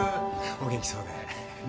お元気そうで。